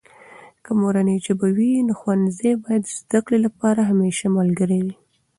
که مورنۍ ژبه وي، نو ښوونځي باید د زده کړې لپاره همیشه ملګری وي.